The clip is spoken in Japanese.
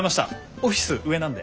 オフィス上なんで。